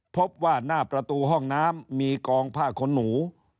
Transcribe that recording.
พบว่าหน้าประตูห้องน้ำมีกองผ้าขนหนู